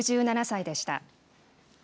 ６７歳でした。